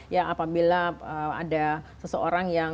ya apabila ada seseorang yang